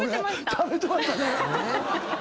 食べてましたね！